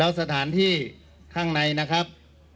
แล้วสถานที่ข้างในนะครับ